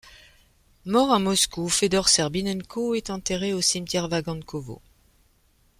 Mort à Moscou, Fedor Serbinenko est enterré au Cimetière Vagankovo.